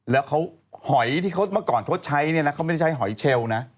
แล้วหอยที่เขาเมื่อก่อนใช้เขาไม่ใช้หอยเชลล์นะ